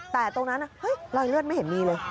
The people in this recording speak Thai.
แต่ตรงนั้นรอยเลือดไม่เห็นมีเลย